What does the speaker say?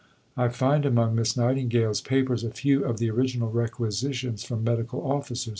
I find among Miss Nightingale's papers a few of the original requisitions from medical officers.